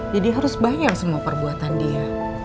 jadi harus bayar semua perbuatan dia